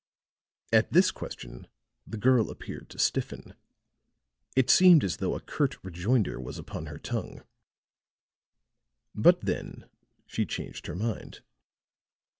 At this question the girl appeared to stiffen; it seemed as though a curt rejoinder was upon her tongue. But, then, she changed her mind.